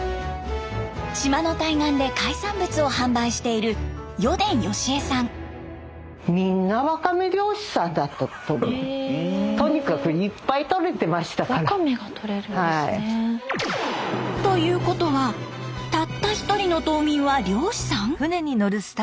島の対岸で海産物を販売している余傳吉恵さん。ということはたった１人の島民は漁師さん？